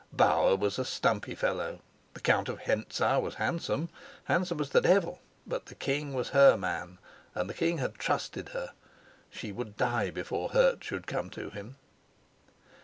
Bauer was a stumpy fellow; the Count of Hentzau was handsome, handsome as the devil; but the king was her man. And the king had trusted her; she would die before hurt should come to him.